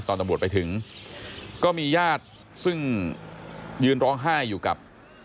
ตอนตำรวจไปถึงก็มีญาติซึ่งยืนร้องไห้อยู่กับ